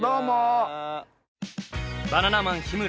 バナナマン日村